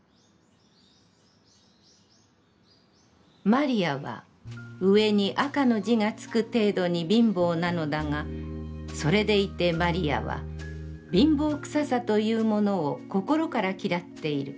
「魔利は上に『赤』の字がつく程度に貧乏なのだが、それでいて魔利は貧乏臭さというものを、心から嫌っている。